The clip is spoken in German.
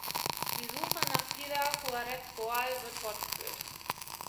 Die Suche nach Pilar Juarez Boal wird fortgeführt.